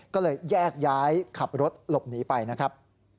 ก็เลยแยกย้ายขับรถหลบหนีไปนะครับ